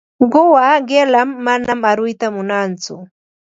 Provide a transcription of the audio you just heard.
Quwaa qilam, manam aruyta munantsu.